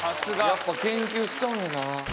やっぱ研究しとんやな。